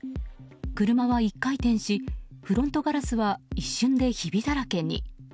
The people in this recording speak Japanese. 車は１回転し、フロントガラスは一瞬でひびだらけに。